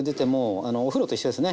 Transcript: あのお風呂と一緒ですね。